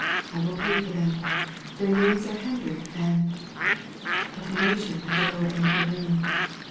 I will pay for them. Their names are Hendrik and " A conmiotion at the lower end of the room.